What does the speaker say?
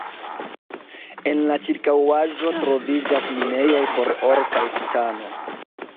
En la ĉirkaŭaĵo troviĝas minejoj por oro kaj titano.